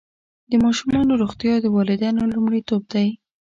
د ماشومانو روغتیا د والدینو لومړیتوب دی.